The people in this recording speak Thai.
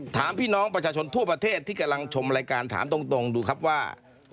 ถามพี่น้องประชาชนทั่วประเทศที่กำลังชมรายการถามตรงดูครับว่า